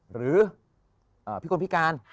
หรือพี่คนพิการ